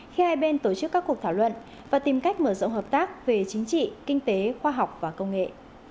khi hai bên tổ chức các cuộc thảo luận và tìm cách mở rộng hợp tác về chính trị kinh tế khoa học và công nghệ